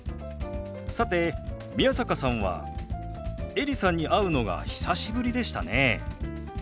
さて宮坂さんはエリさんに会うのが久しぶりでしたね。